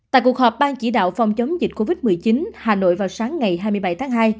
tại cuộc họp ban chỉ đạo phòng chống dịch covid một mươi chín hà nội vào sáng ngày hai mươi bảy tháng hai